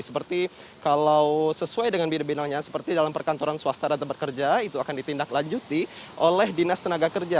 seperti kalau sesuai dengan bidang bidangnya seperti dalam perkantoran swasta atau tempat kerja itu akan ditindak lanjuti oleh dinas tenaga kerja